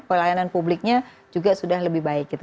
pelayanan publiknya juga sudah lebih baik gitu